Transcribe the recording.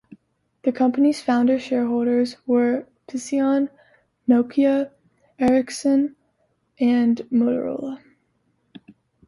The company's founder shareholders were Psion, Nokia, Ericsson and Motorola.